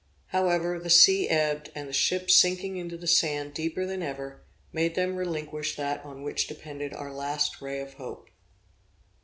However, the sea ebbed, and the ship sinking into the sand deeper than ever, made them relinquish that on which depended our last ray of hope.